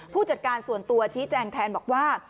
ผู้จัดการส่วนตัวชี้แจงแทนบอกว่า